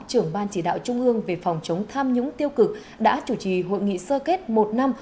trưởng ban chỉ đạo trung ương về phòng chống tham nhũng tiêu cực đã chủ trì hội nghị sơ kết một năm